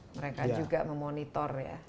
mereka juga memonitor ya